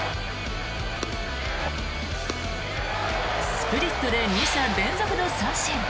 スプリットで２者連続の三振。